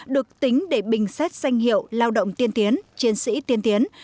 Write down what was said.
được tính để bình xét danh hiệu lao động tiên tiến chiến sĩ tiên tiến